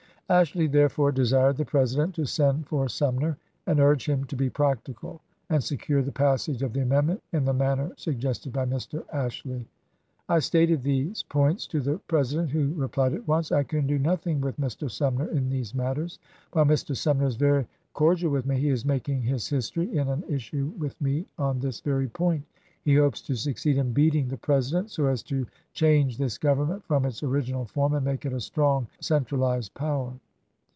Ashley therefore desired the Presi dent to send for Sumner, and urge him to be practical and secure the passage of the amendment in the manner sug gested by Mr. Ashley. I stated these points to the Presi dent, who replied at once :" I can do nothing with Mr. Sumner in these matters. While Mr. Sumner is very cor dial with me, he is making his history in an issue with me on this very point. He hopes to succeed in beating the President so as to change this Government from its original form and make it a strong centralized power."